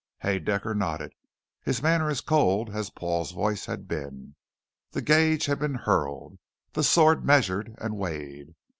Haedaecker nodded, his manner as cold as Paul's voice had been. The gage had been hurled, the swords measured and weighed.